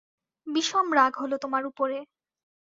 বিষম রাগ হল তোমার উপরে।